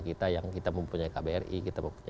karena kami melihat sebetulnya banyak potensi potensi contoh ya